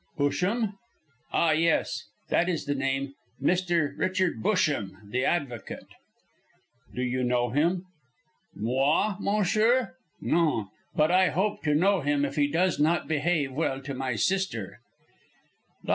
_" "Busham?" "Ah, yes, that is the name. Mr. Richard Busham, the advocate." "Do you know him?" "Moi, monsieur? Non! but I hope to know him if he does not behave well to my sister." Dr.